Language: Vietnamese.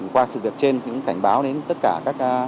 qua sự việc trên thì cũng cảnh báo đến tất cả các